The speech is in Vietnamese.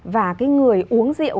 và cái người uống rượu